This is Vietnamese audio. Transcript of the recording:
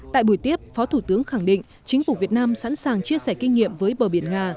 tại buổi tiếp phó thủ tướng khẳng định chính phủ việt nam sẵn sàng chia sẻ kinh nghiệm với bờ biển nga